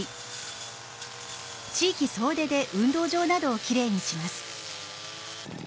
地域総出で運動場などをきれいにします。